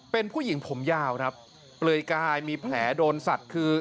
เป็นผู้หญิงผมยาวครับเปลือยกายมีแผลโดนสัตว์คือ